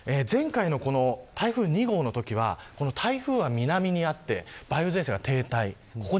前回の台風２号のときは台風は南にあって梅雨前線が停滞。